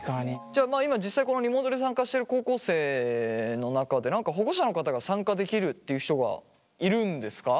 じゃ今実際このリモートで参加してる高校生の中で何か保護者の方が参加できるっていう人がいるんですか？